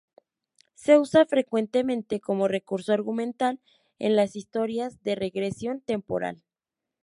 Se usa frecuentemente como recurso argumental en las historias de regresión temporal.